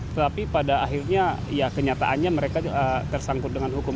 tetapi pada akhirnya ya kenyataannya mereka tersangkut dengan hukum